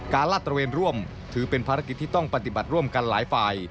ลาดตระเวนร่วมถือเป็นภารกิจที่ต้องปฏิบัติร่วมกันหลายฝ่าย